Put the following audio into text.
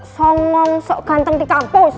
so ngom sok ganteng di kampus